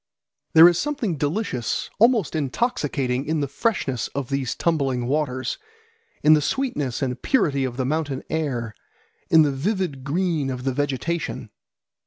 There is something delicious, almost intoxicating, in the freshness of these tumbling waters, in the sweetness and purity of the mountain air, in the vivid green of the vegetation.